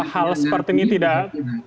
hal seperti ini tidak